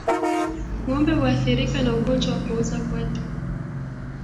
Ngombe huathirika na ugonjwa wa kuoza kwato